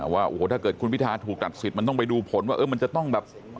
ว่าโอ้โหถ้าเกิดคุณพิทาถูกตัดสิทธิ์มันต้องไปดูผลว่ามันจะต้องแบบ